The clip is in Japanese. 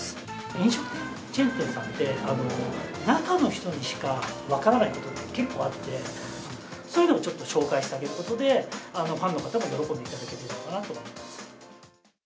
飲食チェーン店さんって、中の人にしか分からないことって結構あって、そういうのをちょっと紹介してあげることで、ファンの方も喜んでいただけると思ってます。